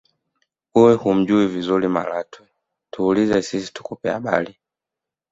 wewe humjuhi vizuri malatwe tuulize sisi tukupe habari